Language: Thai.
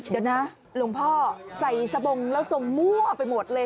เดี๋ยวนะหลวงพ่อใส่สบงแล้วทรงมั่วไปหมดเลย